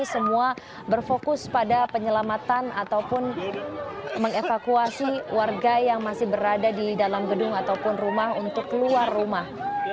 semua berfokus pada penyelamatan ataupun mengevakuasi warga yang masih berada di dalam gedung ataupun rumah untuk keluar rumah